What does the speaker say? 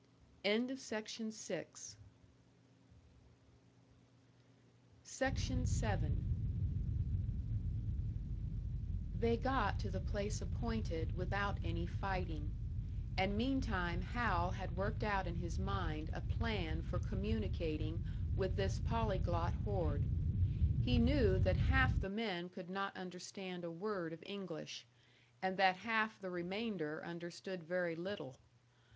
SECTION 7. They got to the place appointed without any fighting. And meantime Hal had worked out in his mind a plan for communicating with this polyglot horde. He knew that half the men could not understand a word of English, and that half the remainder understood very little.